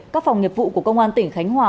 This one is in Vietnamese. các phòng nghiệp vụ của công an tỉnh khánh hòa